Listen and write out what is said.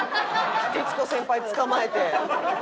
徹子先輩つかまえて。